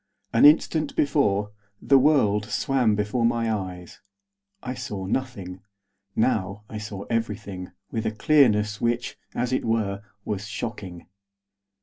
An instant before, the world swam before my eyes. I saw nothing. Now I saw everything, with a clearness which, as it were, was shocking.